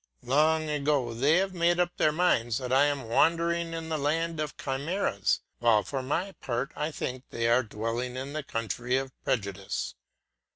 Long ago they have made up their minds that I am wandering in the land of chimeras, while for my part I think they are dwelling in the country of prejudice.